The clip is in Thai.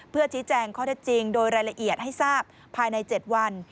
เพื่อชี้แจงข้อเท็จจริงโดยรายละเอียดให้ทราบภายใน๗วัน